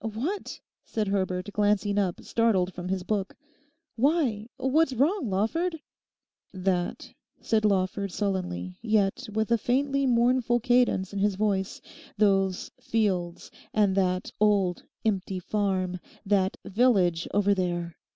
—what?' said Herbert, glancing up startled from his book. 'Why, what's wrong, Lawford?' 'That,' said Lawford sullenly, yet with a faintly mournful cadence in his voice; 'those fields and that old empty farm—that village over there?